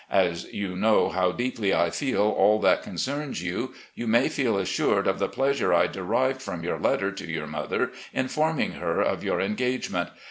As you know how deeply I feel aU that concerns you, you may feel assured of the pleasure I derived from your letter to your mother informing her of your engage ment.